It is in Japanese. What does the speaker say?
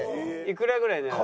いくらぐらいなら。